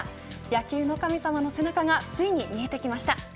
野球の神様の背中がついに見えてきました。